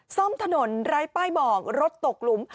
ซ่อมถนนไร้ป้ายบอกรถตกหลุม